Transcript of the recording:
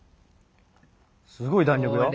すごい弾力よ。